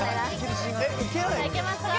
さあいけますか？